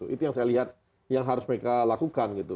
itu yang saya lihat yang harus mereka lakukan gitu